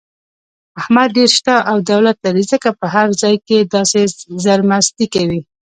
احمد ډېر شته او دولت لري، ځکه په هر ځای کې داسې زرمستي کوي.